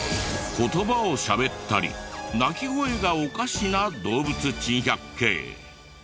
言葉をしゃべったり鳴き声がおかしな動物珍百景。